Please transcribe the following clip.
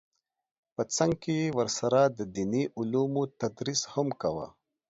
په څنګ کې یې ورسره د دیني علومو تدریس هم کاوه